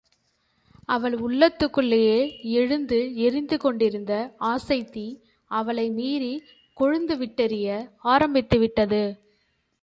அவள் உள்ளத்துக்குள்ளே எழுந்து எரிந்துகொண்டிருந்த ஆசைத்தீ, அவளை மீறிக் கொழுந்துவிட்டெரிய ஆரம்பித்துவிட்டது.